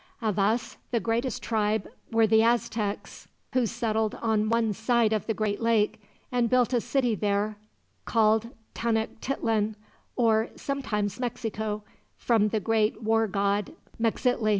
Of us, the greatest tribe were the Aztecs, who settled on one side of the great lake and built a city there, called Tenochtitlan, or sometimes Mexico, from the great war god Mexitli.